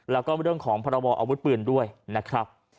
แล้วก็เรื่องของพรบออาวุธปืนด้วยนะครับ